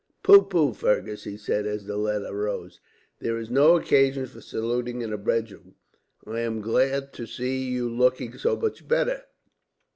"Pooh, pooh, Fergus!" he said, as the latter rose, "there is no occasion for saluting in a bedroom. I am glad to see you looking so much better.